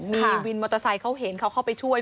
มีวินมอเตอร์ไซค์เขาเห็นเขาเข้าไปช่วย